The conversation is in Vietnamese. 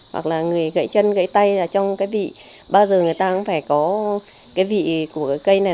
hoặc là người gãy chân gãy tay trong cái vị bao giờ người ta cũng phải có cái vị của cây này